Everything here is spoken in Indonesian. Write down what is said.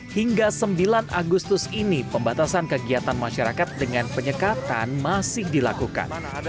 hingga sembilan agustus ini pembatasan kegiatan masyarakat dengan penyekatan masih dilakukan